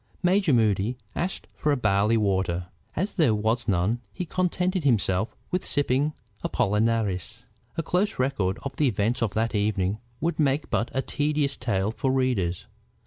Major Moody asked for barley water. As there was none, he contented himself with sipping Apollinaris. A close record of the events of that evening would make but a tedious tale for readers.